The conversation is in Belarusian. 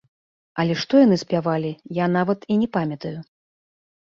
Але што яны спявалі, я нават і не памятаю.